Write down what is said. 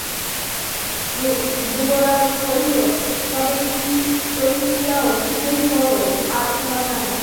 যুবরাজ কহিলেন, তবে কী করিতে চাও শীঘ্র করো, আর সময় নাই।